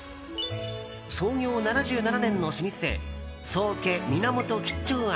創業７７年の老舗宗家源吉兆庵